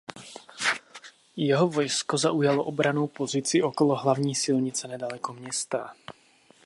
Jeho vojsko zaujalo obrannou pozici okolo hlavní silnice nedaleko města.